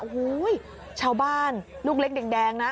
โอ้โหชาวบ้านลูกเล็กแดงนะ